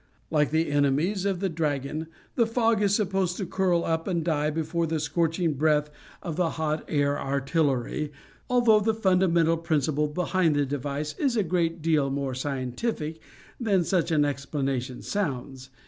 Like the enemies of the dragon, the fog is supposed to curl up and die before the scorching breath of the "hot air artillery" although the fundamental principle behind the device is a great deal more scientific than such an explanation sounds.